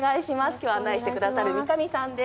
今日案内してくださる三上さんです。